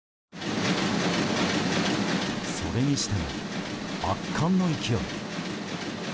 それにしても、圧巻の勢い。